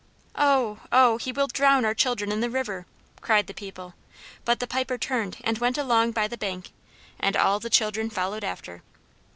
"Oh, oh! He will drown our children in the river!" cried the people. But the Piper turned and went along by the bank, and all the children followed after.